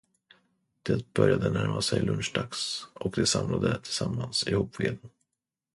Det började närma sig lunchdags och de samlade tillsammans ihop veden.